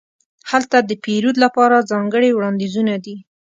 هلته د پیرود لپاره ځانګړې وړاندیزونه دي.